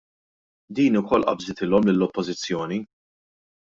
Din ukoll qabżitilhom lill-Oppożizzjoni.